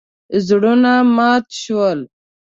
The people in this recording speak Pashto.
زړونه مات شول.